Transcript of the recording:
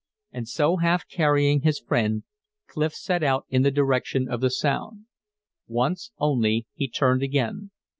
And so half carrying his friend, Clif set out in the direction of the sound. Once only he turned again.